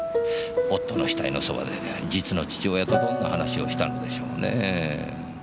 夫の死体のそばで実の父親とどんな話をしたのでしょうねぇ。